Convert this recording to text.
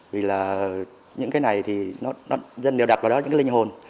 vì là những cái này thì nó dân đều đặt vào đó những cái linh hồn